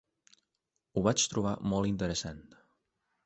Ho vaig trobar molt interessant.